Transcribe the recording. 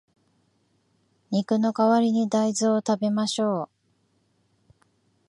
肉の代わりに大豆を食べましょう